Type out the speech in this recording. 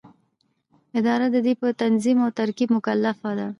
اداره د دې په تنظیم او ترتیب مکلفه ده.